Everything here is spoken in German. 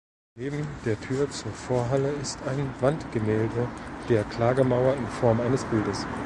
Neben der Tür zur Vorhalle ist ein Wandgemälde der Klagemauer in Form eines Bildes.